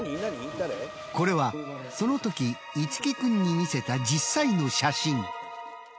これはそのとき樹君に見せた実際の写真。